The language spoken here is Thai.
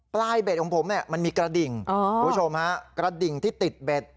เบ็ดของผมเนี่ยมันมีกระดิ่งคุณผู้ชมฮะกระดิ่งที่ติดเบ็ด